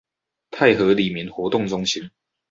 泰和里民活動中心